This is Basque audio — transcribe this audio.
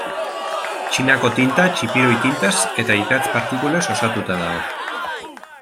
Txinako tinta txipiroi tintaz eta ikatz partikulez osatuta dago.